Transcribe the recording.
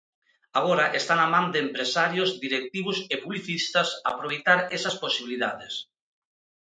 Agora está na man de empresarios, directivos e publicistas aproveitar esas posibilidades.